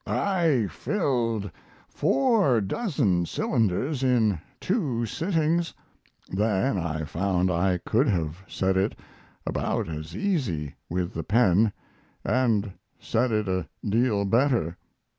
I filled four dozen cylinders in two sittings, then I found I could have said it about as easy with the pen, and said it a deal better.